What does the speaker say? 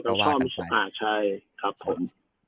นักเตะชอบใช่ครับผม